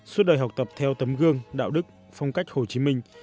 suốt đời học tập theo tấm gương đạo đức phong cách hồ chí minh